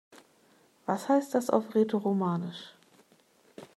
Was heißt das auf Rätoromanisch?